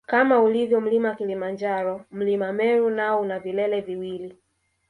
Kama ulivyo mlima Kilimanjaro mlima Meru nao una vilele viwili